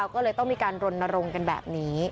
ก็เลยต้องมีการรณรงค์กันแบบนี้